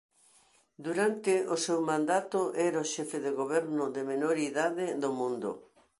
Durante o seu mandato era o xefe de goberno de menor idade do mundo.